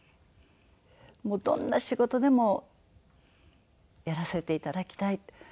もうどんな仕事でもやらせていただきたい。